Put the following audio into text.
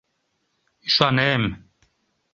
Ӱшанем...